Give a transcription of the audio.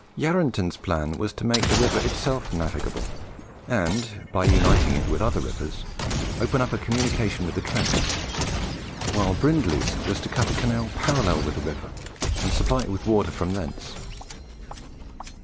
Yarranton's plan was to make the river itself navigable, and by uniting it with other rivers, open up a communication with the Trent; while Brindley's was to cut a canal parallel with the river, and supply it with water from thence.